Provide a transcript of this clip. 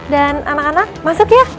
dan anak anak masuk ya